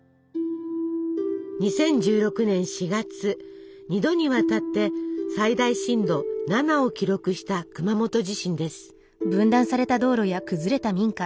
２０１６年４月２度にわたって最大震度７を記録した熊本地震です。